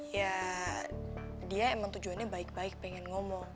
ya dia emang tujuannya baik baik pengen ngomong